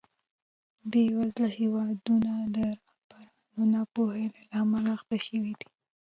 بېوزله هېوادونه د رهبرانو ناپوهۍ له امله اخته شوي دي.